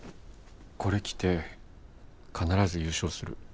これ着て必ず優勝する。